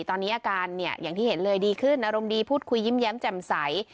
ตอนนี้อาการเนี่ยอย่างที่เห็นเลยดีขึ้นอารมณ์ดีพูดคุยยิ้มแย้มแจ่มใส